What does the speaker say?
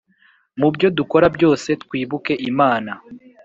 Mu byo dukora byose twibuke imana